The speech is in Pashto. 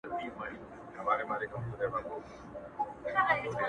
د خوارانو لاس به درسي تر ګرېوانه!.